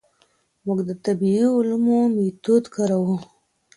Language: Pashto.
موږ د طبیعي علومو میتود کاروو.